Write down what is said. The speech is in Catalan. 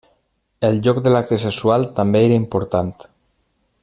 El lloc de l'acte sexual també era important.